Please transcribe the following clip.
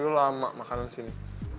aku sudah lama makan disini